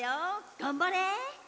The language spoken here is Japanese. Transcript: がんばれ！